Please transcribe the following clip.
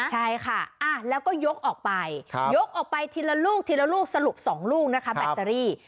ใช่ค่ะแล้วก็ยกออกไปยกออกไปทีละลูกทีละลูกสรุป๒ลูกนะคะแบตเตอรี่